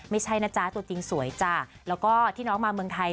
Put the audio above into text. ไม่ใช่นะจ๊ะตัวจริงสวยจ้ะแล้วก็ที่น้องมาเมืองไทย